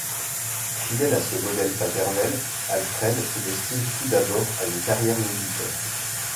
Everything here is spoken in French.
Fidèle à ce modèle paternel, Alfred se destine tout d'abord à une carrière militaire.